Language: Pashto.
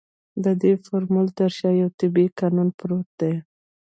د دې فورمول تر شا يو طبيعي قانون پروت دی.